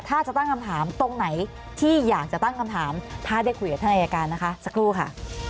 ถ้าจะตั้งคำถามตรงไหนที่อยากจะตั้งคำถามถ้าได้คุยกับท่านอายการนะคะสักครู่ค่ะ